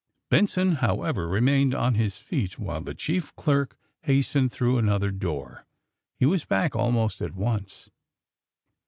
Benson, however, remained on his feet while the chief clerk hastened through another door. He was back, almost at once.